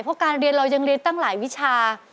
เพราะการเรียนเรายังเรียนตั้งหลายวิชา